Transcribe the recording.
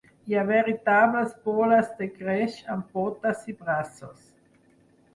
Hi ha veritables boles de greix amb potes i braços.